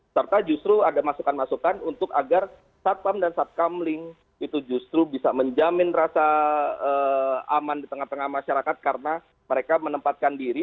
serta justru ada masukan masukan untuk agar satpam dan satkamling itu justru bisa menjamin rasa aman di tengah tengah masyarakat karena mereka menempatkan diri